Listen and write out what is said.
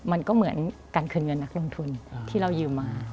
มันก็เหมือนการคืนเงินนักลงทุนที่เรายืมมา